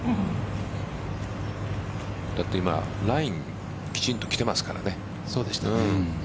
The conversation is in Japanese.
だって今ラインきちんと来ていますからね。